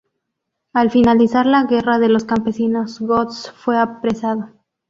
Al finalizar la guerra de los campesinos, Götz fue apresado.